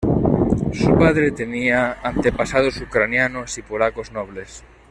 Su padre tenía antepasados ucranianos y polacos nobles.